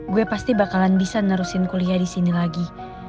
gue pasti bakalan bisa nerusin kuliah disini lagi